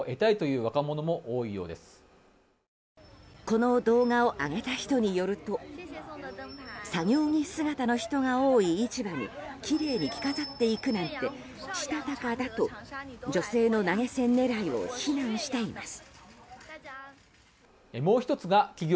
この動画を上げた人によると作業着姿の人が多い市場にきれいに着飾って行くなんてしたたかだと女性の投げ銭狙いを非難しています。